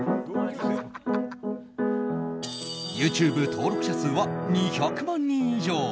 ＹｏｕＴｕｂｅ登録者数は２００万人以上。